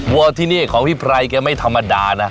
วัวที่นี่ของพี่ไพรแกไม่ธรรมดานะ